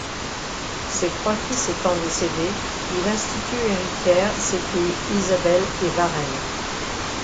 Ses trois fils étant décédés il institue héritières ses filles Isabelle et Varenne.